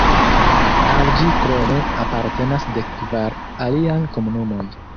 Al ĝi krome apartenas dek-kvar aliaj komunumoj.